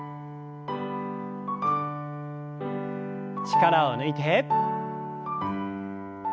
力を抜いて。